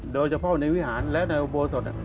โดยเฉพาะในวิหารและในอุโบสถ